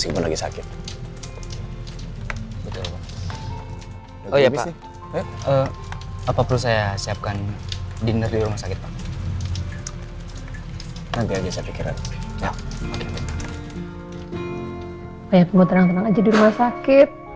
meskipun lagi sakit